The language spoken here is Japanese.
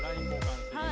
はい。